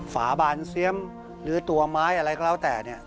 ฝาบานเซียมหรือตัวไม้อะไรก็แล้วแต่เนี่ย